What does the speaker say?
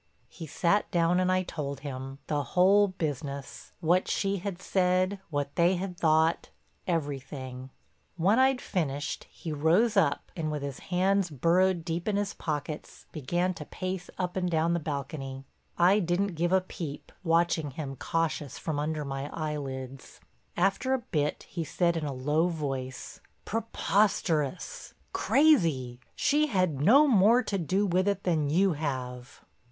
He sat down and I told him—the whole business, what she had said, what they had thought—everything. When I'd finished he rose up and, with his hands burrowed deep in his pockets, began pacing up and down the balcony. I didn't give a peep, watching him cautious from under my eyelids. After a bit he said in a low voice: "Preposterous—crazy! She had no more to do with it than you have."